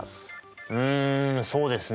うんそうですね